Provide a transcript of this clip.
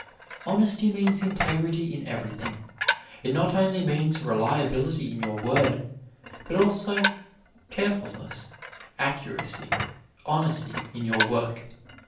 Honesty means integrity in everything. It not only means reliability in your word, but also carefulness, accuracy, honesty in your work.